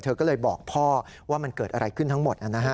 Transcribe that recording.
เธอก็เลยบอกพ่อว่ามันเกิดอะไรขึ้นทั้งหมด